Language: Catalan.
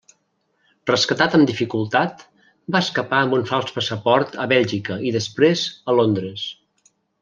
Rescatat amb dificultat, va escapar amb un fals passaport a Bèlgica, i després a Londres.